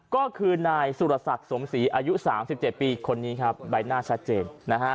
ก็คือนายสุรศักดิ์สมศรีอายุ๓๗ปีคนนี้ครับใบหน้าชัดเจนนะฮะ